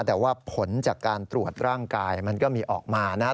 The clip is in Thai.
แต่ว่าผลจากการตรวจร่างกายมันก็มีออกมานะครับ